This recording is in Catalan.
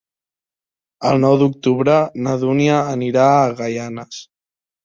El nou d'octubre na Dúnia anirà a Gaianes.